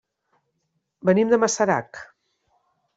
Venim de Masarac.